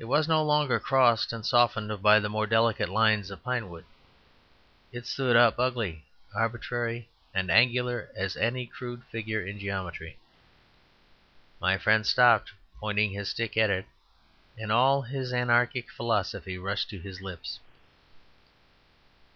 It was no longer crossed and softened by the more delicate lines of pine wood; it stood up ugly, arbitrary, and angular as any crude figure in geometry. My friend stopped, pointing his stick at it, and all his anarchic philosophy rushed to his lips.